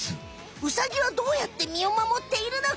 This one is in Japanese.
ウサギはどうやって身を守っているのか？